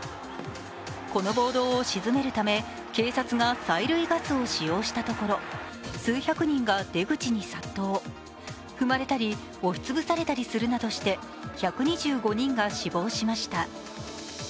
この暴動を鎮めるため警察が催涙ガスを使用したところ、数百人が出口に殺到、踏まれたり、押し潰されたりするなどして１２５人が死亡しました。